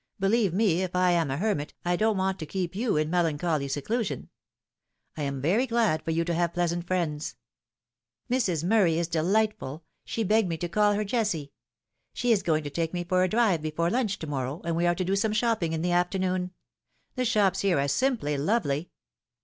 Believe me, if I am a hermit, I don't want to keep you in melancholy seclusion. I am very glad for you to have pleasant friends. "" Mrs. Murray is delightful. She begged me to call her Jessie. She is going to take me for a drive before lunch to morrow, and we are to do some shopping in the afternoon. The shops here are simply lovely."